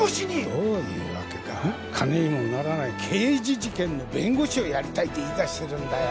どういうわけか金にもならない刑事事件の弁護士をやりたいって言いだしているんだよ